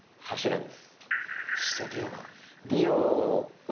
そしてリオは？